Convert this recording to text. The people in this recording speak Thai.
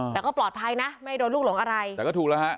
แต่ก็ปลอดภัยนะไม่ได้โดนลูกหลงอะไรแต่ก็ถูกแล้วฮะ